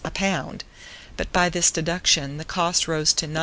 a pound; but by this deduction, the cost rose to 9d.